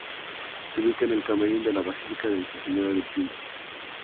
Se ubica en el camarín de la basílica de Nuestra Señora del Pino.